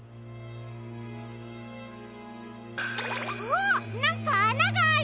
あっなんかあながある！